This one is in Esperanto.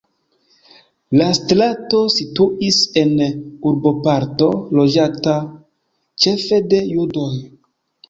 La strato situis en urboparto loĝata ĉefe de judoj.